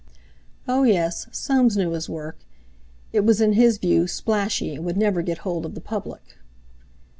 Oh, yes, Soames knew his work. It was in his view "splashy," and would never get hold of the public.